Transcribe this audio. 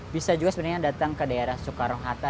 bisa juga sebenarnya datang ke daerah soekarno hatta